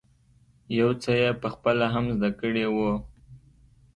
يو څه یې په خپله هم زده کړی وو.